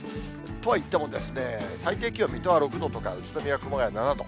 とはいってもですね、最低気温、水戸は６度とか、宇都宮、熊谷７度。